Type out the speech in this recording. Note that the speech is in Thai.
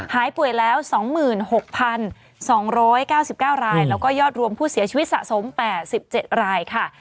หายป่วยแล้ว๒๖๒๙๙รายแล้วก็ยอดรวมผู้เสียชีวิตสะสม๘๗รายค่ะ